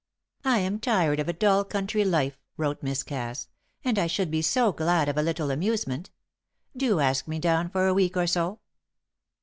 "I am tired of a dull country life," wrote Miss Cass, "and I should be so glad of a little amusement. Do ask me down for a week or so."